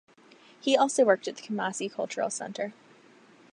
He also worked at the Kumasi Cultural Center.